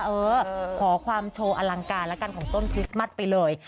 เออขอความโชว์อลังการแล้วกันของต้นคริสต์มัสไปเลย